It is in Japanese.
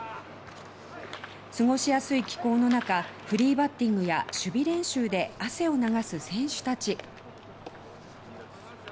過ごしやすい気候の中フリーバッティングや守備練習で汗を流す選手たち。